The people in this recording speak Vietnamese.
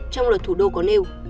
trong luật thủ đô có nêu